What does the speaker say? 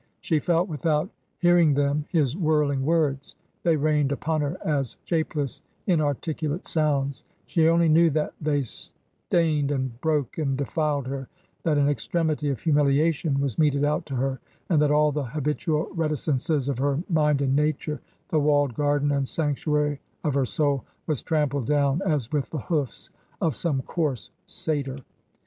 She felt without hearing them his whirling words ; they rained upon her as shape less, inarticulate sounds; she only knew that they stained and broke and defiled her, that an extremity of humiliation was meted out to her, and that all the habitual reticences of her mind and nature — the walled garden and sanctuary of her soul — was trampled down as with the hoofs of some coarse satyr.